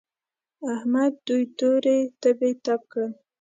احمد دوی تورې تبې تپ کړل.